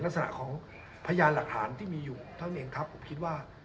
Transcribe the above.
ลักษณะของพยานหลักฐานที่มีอยู่เท่านั้นเองครับผมคิดว่า